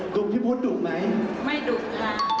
ดุบพี่พดดุบไหมครับไม่ดุบชาติ